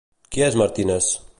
Qui és el Martínez?